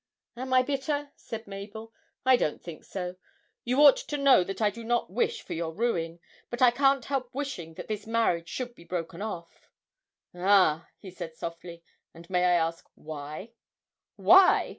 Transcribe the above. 'Am I bitter?' said Mabel. 'I don't think so. You ought to know that I do not wish for your ruin, but I can't help wishing that this marriage should be broken off.' 'Ah!' he said softly, 'and may I ask why?' 'Why!'